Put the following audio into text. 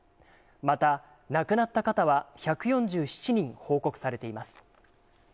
また亡くなった方は１４７人報告されています。